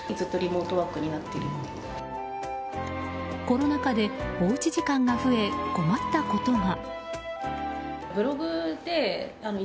コロナ禍でおうち時間が増え困ったことが。